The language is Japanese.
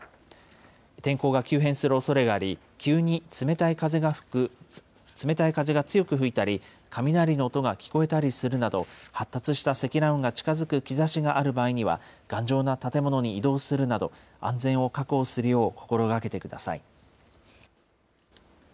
天候が急変するおそれがあり、急に冷たい風が強く吹いたり、雷の音が聞こえたりするなど、発達した積乱雲が近づく兆しがある場合には、頑丈な建物に移動するなど、安全を確保するよう心がけてください。